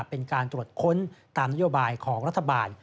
เป็นการตรวจค้นตามนโยบายของรัฐบาล